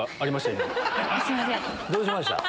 どうしました？